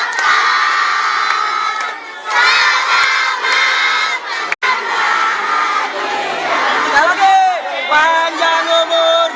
selamat sejak tenang